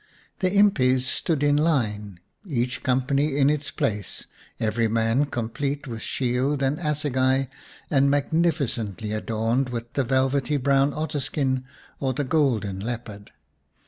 The impis stood in line, each company in its place, every man complete with shield and assegai, and magnificently adorned with the velvety brown otter skin or the golden leopard.